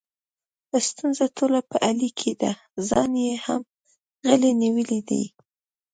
ستونزه ټوله په علي کې ده، ځان یې هم غلی نیولی دی.